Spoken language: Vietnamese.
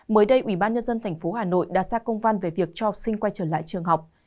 mới đây ủy ban nhân dân tp hà nội đã ra công văn về việc cho học sinh quay trở lại trường học